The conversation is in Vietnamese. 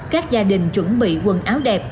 các gia đình chuẩn bị quần áo đẹp